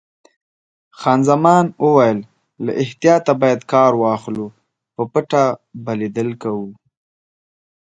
خان زمان وویل: له احتیاطه باید کار واخلو، په پټه به لیدل کوو.